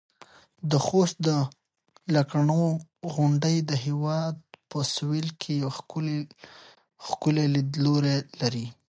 د خوست د لکڼو غونډۍ د هېواد په سویل کې یو ښکلی لیدلوری لري.